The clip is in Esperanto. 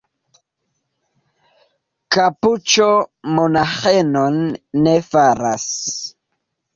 Kapuĉo monaĥon ne faras.